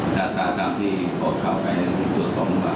จะหากางที่เค้าขายตัวของบ้าง